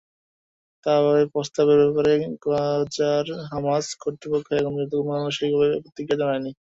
তবে প্রস্তাবের ব্যাপারে গাজার হামাস কর্তৃপক্ষ এখন পর্যন্ত কোনো আনুষ্ঠানিক প্রতিক্রিয়া জানায়নি।